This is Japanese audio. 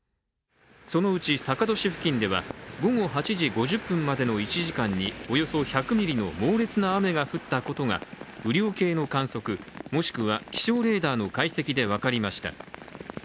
そのうち、坂戸市付近では、午後８時５０分までの１時間におよそ１００ミリの猛烈な雨が降ったことが雨量計の観測もしくは気象レーダーの解析で分かりました。